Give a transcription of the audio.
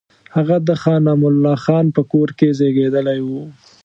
هغه د خان امان الله خان په کور کې زېږېدلی وو.